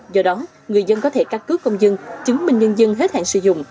do đó người dân có thẻ căn cước công dân chứng minh nhân dân hết hạn sử dụng